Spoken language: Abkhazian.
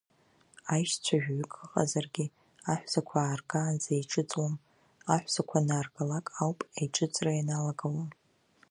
Аишьцәа жәаҩык ыҟазаргьы, аҳәсақәа ааргаанӡа еиҿыҵуам, аҳәсақәа анааргалак ауп аиҿыҵра ианалагауа.